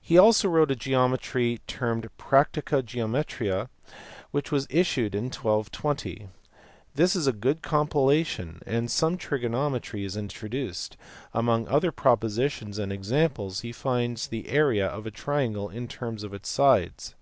He also wrote a geometry termed Practica Geometriae which was issued in 1220. This is a good compilation and some trigonometry is introduced; among other propositions and examples he finds the area of a triangle in terms of its sides.